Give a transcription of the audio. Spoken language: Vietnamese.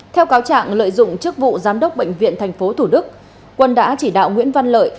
theo cáo trạng lợi dụng chức vụ giám đốc bệnh viện tp thủ đức quân đã chỉ đạo nguyễn văn lợi